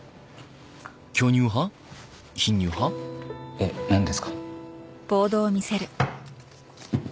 えっなんですか？